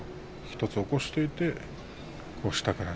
１つ起こしておいて下から。